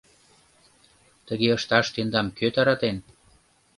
— Тыге ышташ тендам кӧ таратен?